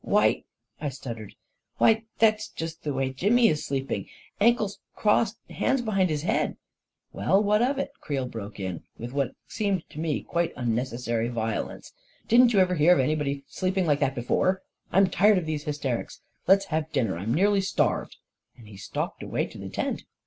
" "Why," I stuttered, "why that's just the way Jimmy is sleeping — ankles crossed, hands behind his head ..." "Well, what of it?" Creel broke in, with what seemed to me quite unnecessary violence. " Didn't you ever hear of anybody sleeping like that before ! I'm tired of these hysterics! Let's have dinner; I'm nearly starved! " And he stalked away to the tent.